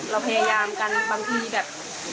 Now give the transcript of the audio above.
เราพยายามกันบางทีแบบ